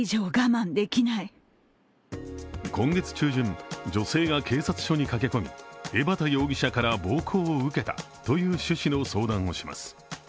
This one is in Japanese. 今月中旬、女性が警察署に駆け込み、江畑容疑者から暴行を受けたという趣旨の相談をします。